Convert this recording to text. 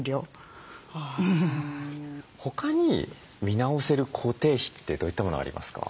他に見直せる固定費ってどういったものがありますか？